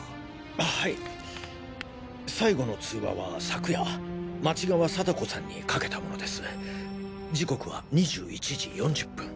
あはい最後の通話は昨夜町側貞子さんにかけたものです時刻は２１時４０分。